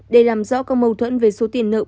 để làm rõ các mâu thuẫn về số lợi khai của ông dương